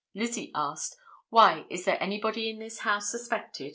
Lizzie asked, 'Why, is there anybody in this house suspected?